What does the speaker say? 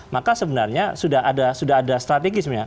maka sebenarnya sudah ada strategi sebenarnya